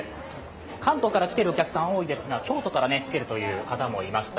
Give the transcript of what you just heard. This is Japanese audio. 関東から来ている人も多いですが京都から来てるという方もいらっしゃいました。